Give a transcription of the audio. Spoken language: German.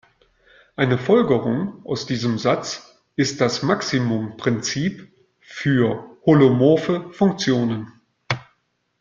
Eine Folgerung aus diesem Satz ist das Maximumprinzip für holomorphe Funktionen.